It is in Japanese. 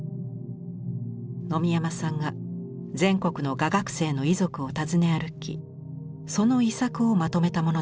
野見山さんが全国の画学生の遺族を訪ね歩きその遺作をまとめたものです。